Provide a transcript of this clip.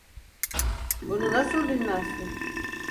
Bunu nasıl bilmezsin?